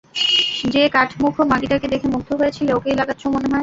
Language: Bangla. যে কাঠমুখো মাগীটাকে দেখে মুগ্ধ হয়েছিলে, ওকেই লাগাচ্ছ মনে হয়।